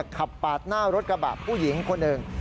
ขับปาดหน้ารถกระบะผู้หญิงคนหนึ่ง